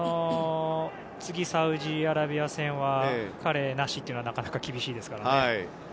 次、サウジアラビア戦は彼なしというのはなかなか厳しいですからね。